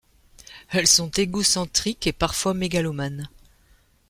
Elles sont égocentriques, et parfois mégalomanes.